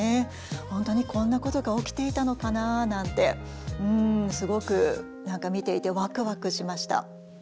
本当にこんなことが起きていたのかななんてすごく何か見ていてワクワクしました。